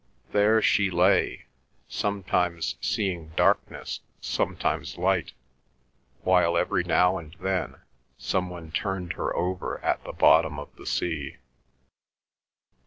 There she lay, sometimes seeing darkness, sometimes light, while every now and then some one turned her over at the bottom of the sea.